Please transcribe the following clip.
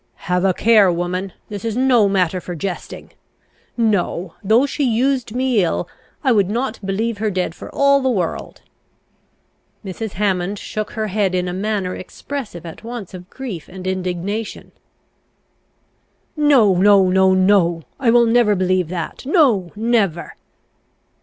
"Have a care, woman! this is no matter for jesting. No: though she used me ill, I would not believe her dead for all the world!" Mrs. Hammond shook her head in a manner expressive at once of grief and indignation. "No, no, no, no! I will never believe that! No, never!"